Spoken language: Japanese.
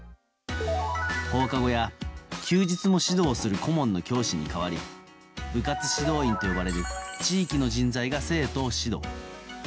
放課後や休日も指導する顧問の教師に代わり部活指導員と呼ばれる地域の人材が生徒を指導。